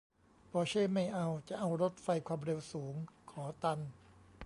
ปอร์เช่ไม่เอา จะเอารถไฟความเร็วสูง ขอตัน